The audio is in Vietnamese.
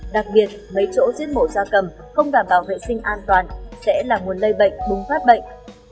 đặc biệt mấy chỗ giết mổ da cầm không đảm bảo vệ sinh an toàn sẽ là nguồn lây bệnh bùng phát bệnh